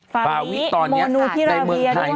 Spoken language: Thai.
ฟาวิะโมนูอีราเวียด้วย